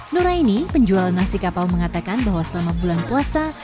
nuraini penjual nasi kapau mengatakan bahwa selama bulan puasa